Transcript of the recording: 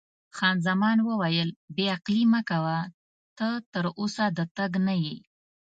خان زمان وویل: بې عقلي مه کوه، ته تراوسه د تګ نه یې.